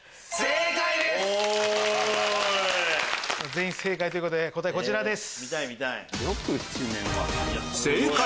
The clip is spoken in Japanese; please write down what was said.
全員正解ということで答えこちらです。